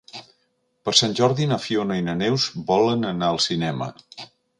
Per Sant Jordi na Fiona i na Neus volen anar al cinema.